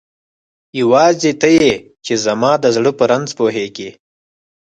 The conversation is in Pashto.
یواځی ته یی چی زما د زړه په رنځ پوهیږی